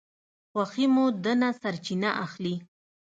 خوښي مو ده نه سرچینه اخلي